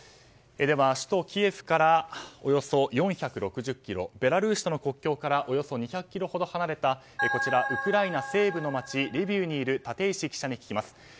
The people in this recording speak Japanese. では、首都キエフからおよそ４６０ｋｍベラルーシとの国境からおよそ２００ｋｍほど離れたウクライナ西部の街リビウにいる立石記者に聞きます。